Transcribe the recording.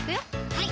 はい